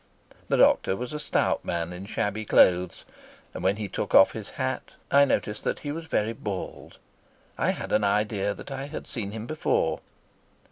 The doctor was a stout man in shabby clothes, and when he took off his hat I noticed that he was very bald. I had an idea that I had seen him before.